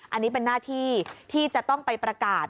อันนี้เป็นหน้าที่ที่จะต้องไปประกาศ